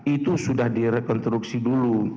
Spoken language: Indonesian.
itu sudah direkonstruksi dulu